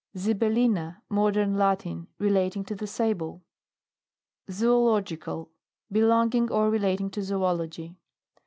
ZIBELLINA. Modern Latin. Relat ing to the sable. ZOOLOGICAL. Belonging or relating to zoology.